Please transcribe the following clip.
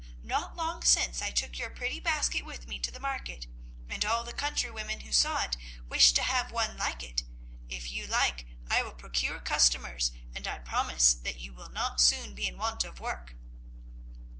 Not long since I took your pretty basket with me to the market, and all the countrywomen who saw it wished to have one like it. If you like I will procure customers, and I promise that you will not soon be in want of work."